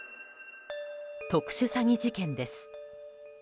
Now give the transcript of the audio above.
特殊詐欺事件です。